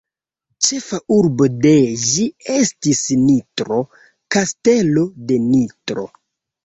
Ĉefa urbo dee ĝi estis Nitro, Kastelo de Nitro.